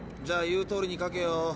じゃあ言うとおりに書けよ。